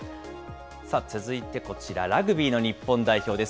続いてこちら、ラグビーの日本代表です。